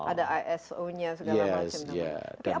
ada iso nya segala macam